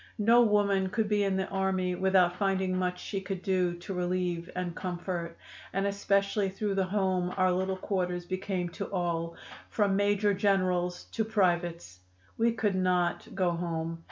No woman could be in the army without finding much she could do to relieve and comfort, and especially through the home our little quarters became to all, from major generals to privates. We could not go home.